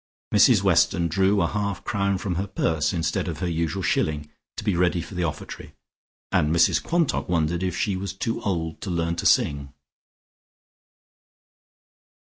Mrs Weston drew a half a crown from her purse instead of her usual shilling, to be ready for the offertory, and Mrs Quantock wondered if she was too old to learn to sing.